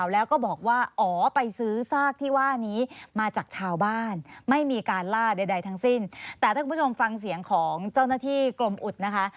ล่าใดทั้งสิ้นแต่ถ้าคุณผู้ชมฟังเสียงของเจ้าหน้าที่กลมอุดนะคะ